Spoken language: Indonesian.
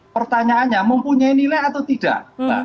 pertanyaannya mempunyai nilai atau tidak